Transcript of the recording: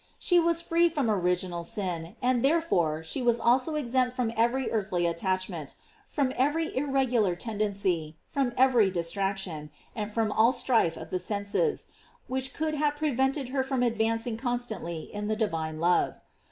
She was free from original sin, and therefore she was also exempt from every earthly attach ment, from every irregular tendency, from every distraction, from all strife of the senses, which could have prevented her from advancing con* stantly in the divine love.